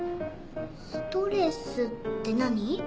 ストレスって何？